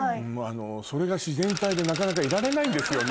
それが自然体でなかなかいられないんですよ